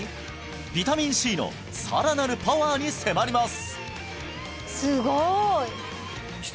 ビタミンＣのさらなるパワーに迫ります